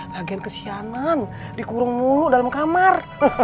bagian kesianan dikurung mulu dalam kamar